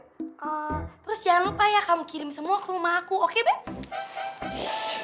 terus jangan lupa ya kamu kirim semua ke rumah aku oke deh